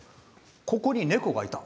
ここに猫がいた。